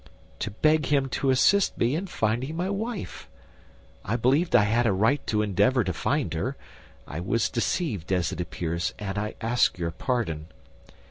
"To beg him to assist me in finding my wife. I believed I had a right to endeavor to find her. I was deceived, as it appears, and I ask your pardon."